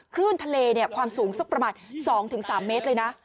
คลื่นทะเลความสูงสักประมาณ๒๓เมตรเลยนะ